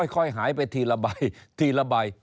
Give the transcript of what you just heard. ค่อยหายไปทีละใบ